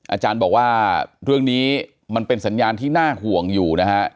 อาจารย์บอกว่าเรื่องนี้มันเป็นสัญญาณที่น่าห่วงอยู่นะฮะ